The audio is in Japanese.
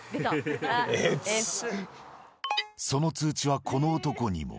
その通知はこの男にも。